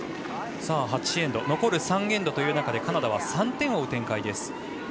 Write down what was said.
８エンド、残る３エンドでカナダは３点を追う展開です。